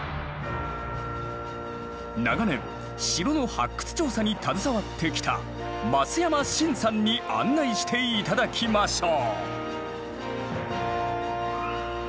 長年城の発掘調査に携わってきた増山慎さんに案内して頂きましょう。